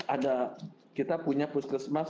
ada kita punya puslesmas